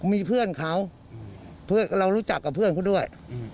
มีเพื่อนเขาเพื่อนเรารู้จักกับเพื่อนเขาด้วย